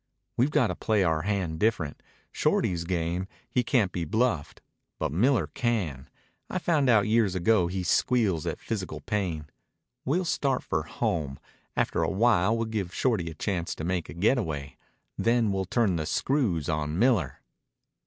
"We've got to play our hand different. Shorty is game. He can't be bluffed. But Miller can. I found out years ago he squeals at physical pain. We'll start for home. After a while we'll give Shorty a chance to make a getaway. Then we'll turn the screws on Miller."